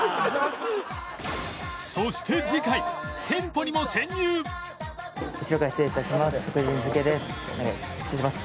そして後ろから失礼致します。